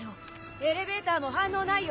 エレベーターも反応ないよ。